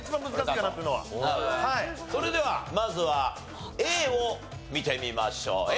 それではまずはＡを見てみましょう。